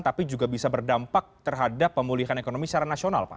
tapi juga bisa berdampak terhadap pemulihan ekonomi secara nasional pak